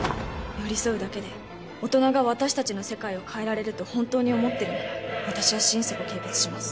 寄り添うだけで大人が私たちの世界を変えられると本当に思ってるなら私は心底軽蔑します。